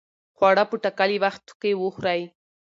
خواړه په ټاکلي وخت کې وخورئ.